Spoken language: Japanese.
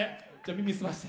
耳澄まして。